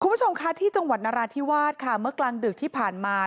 คุณผู้ชมค่ะที่จังหวัดนราธิวาสค่ะเมื่อกลางดึกที่ผ่านมา